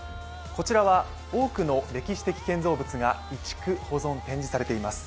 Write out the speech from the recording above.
こちらは多くの歴史的建造物が移築、保存されています。